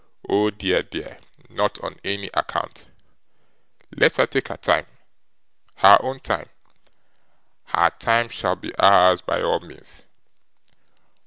Oh dear, dear, not on any account. Let her take her time her own time. Her time shall be ours by all means.